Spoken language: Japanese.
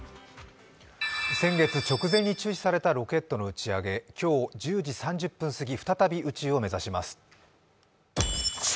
先月、直前に中止されたロケットの打ち上げ今日１０時３０分すぎ、再び宇宙を目指します。